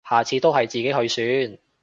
下次都係自己去算